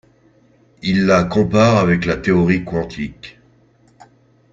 Il la compare avec la Théorie quantique.